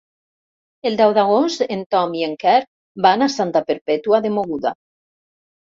El deu d'agost en Tom i en Quer van a Santa Perpètua de Mogoda.